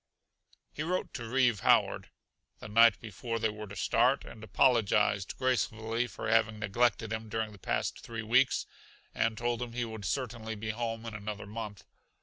He wrote to Reeve Howard, the night before they were to start, and apologized gracefully for having neglected him during the past three weeks and told him he would certainly be home in another month.